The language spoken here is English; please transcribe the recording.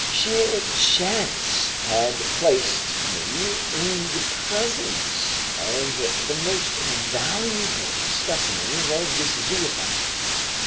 Sheer chance had placed me in the presence of the most valuable specimens of this zoophyte.